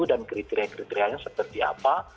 dan kriteria kriterianya seperti apa